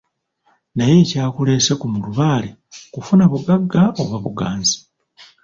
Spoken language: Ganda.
Naye ekyakuleese ku mulubaale kufuna bugagga oba buganzi?